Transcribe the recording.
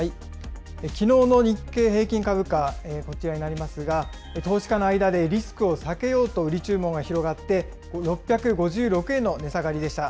きのうの日経平均株価、こちらになりますが、投資家の間でリスクを避けようと売り注文が広がって、６５６円の値下がりでした。